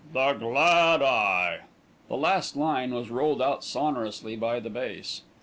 THE GLAD EYE. The last line was rolled out sonorously by the bass.